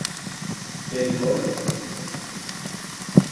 Gary Hall, Jr.